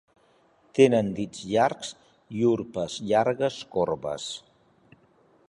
Tenen dits llargs i urpes llargues corbes.